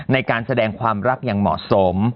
ในการแสดงความรักอย่างเหมาะสม